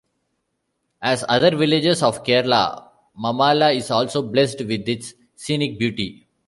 As other villages of Kerala, Mamala is also blessed with its scenic beauty.